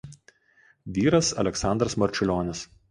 Vyras Aleksandras Marčiulionis.